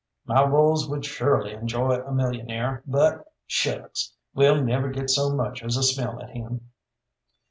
"My wolves would shorely enjoy a millionaire, but shucks! We'll never get so much as a smell at him."